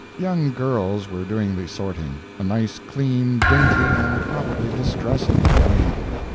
Young girls were doing the sorting a nice, clean, dainty, and probably distressing employment.